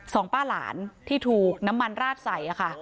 สองป้าหลานที่ถูกน้ำมันราดใส่ค่ะ